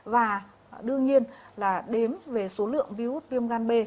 và đương nhiên là đếm về số lượng viếu út viêm gan b